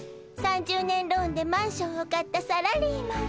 ３０年ローンでマンションを買ったサラリーマン。